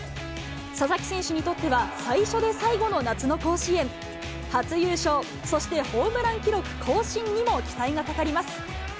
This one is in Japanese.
佐々木選手にとっては最初で最後の夏の甲子園。初優勝、そしてホームラン記録更新にも期待がかかります。